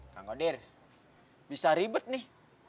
kak godir bisa ribet nih